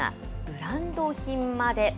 ブランド品まで。